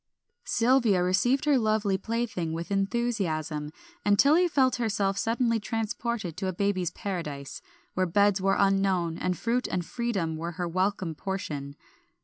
Sylvia received her lovely plaything with enthusiasm, and Tilly felt herself suddenly transported to a baby's Paradise, where beds were unknown and fruit and freedom were her welcome portion.